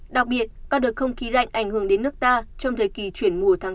đặc biệt các đợt không khí lạnh ảnh hưởng đến nước ta trong thời kỳ chuyển mùa tháng bốn